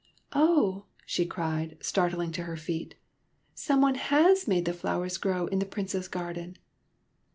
" Oh !" she cried, starting to her feet ;" some one has made the flowers grow in the Prince's garden